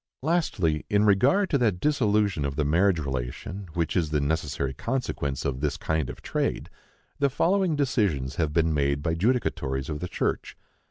Lastly, in regard to that dissolution of the marriage relation, which is the necessary consequence of this kind of trade, the following decisions have been made by judicatories of the church.